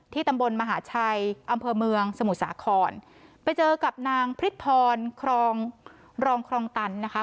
ที่ตำบลมหาชัยอำเภอเมืองสมุสาครไปเจอกับนางพริษฐรคลองตันนะคะ